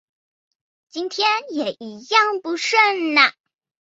今天也一样不顺